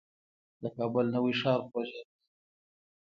د کابل نوی ښار پروژه لویه ده